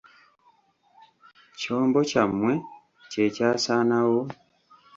Kyombo kyammwe kye kyasaanawo?